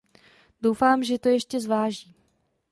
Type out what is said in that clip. Doufám, že to ještě zváží.